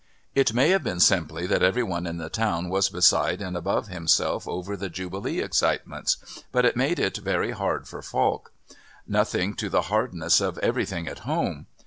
It may have been simply that every one in the town was beside and above himself over the Jubilee excitements but it made it very hard for Falk. Nothing to the hardness of everything at home.